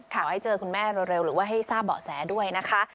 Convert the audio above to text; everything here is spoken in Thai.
ขอให้เจอคุณแม่เร็วหรือว่าให้ทราบเบาะแสด้วยนะคะ